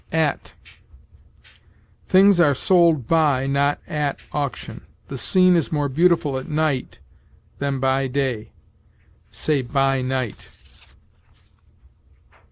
AT. Things are sold by, not at, auction. "The scene is more beautiful at night than by day": say, "by night."